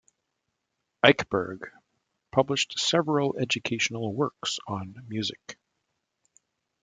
Eichberg published several educational works on music.